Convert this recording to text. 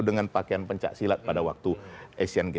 dengan pakaian pencak silat pada waktu asian games